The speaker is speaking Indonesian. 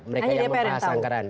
mereka yang membahas anggaran